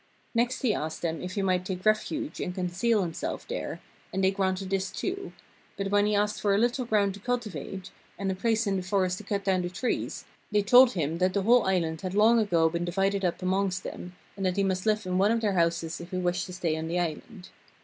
Next he asked them if he might take refuge and conceal himself there, and they granted this too; but when he asked for a little ground to cultivate, and a place in the forest to cut down the trees, they told him that the whole island had long ago been divided up amongst them, and that he must live in one of their houses if he wished to stay on the island.